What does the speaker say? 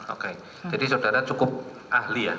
oke jadi saudara cukup ahli ya